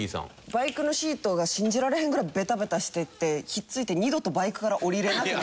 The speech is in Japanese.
バイクのシートが信じられへんぐらいベタベタしてて引っ付いて二度とバイクから降りれなくなった。